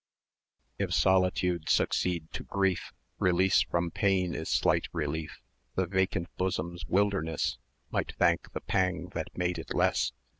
If solitude succeed to grief, Release from pain is slight relief; The vacant bosom's wilderness Might thank the pang that made it less.